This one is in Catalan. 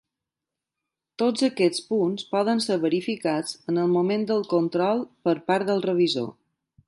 Tots aquests punts poden ser verificats en el moment del control per part del revisor.